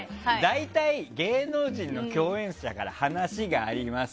大体、芸能人の共演者から話があります。